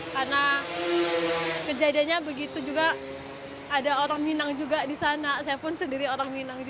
karena kejadiannya begitu juga ada orang minang juga di sana saya pun sendiri orang minang